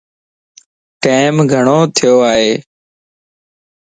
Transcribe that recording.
ٽيم گھڙو ٿيو ائي.